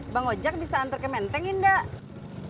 bang ojak bisa antar ke menteng indah